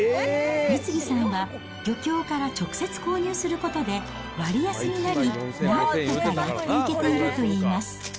美次さんは、漁協から直接購入することで割安になり、なんとかやっていけているといいます。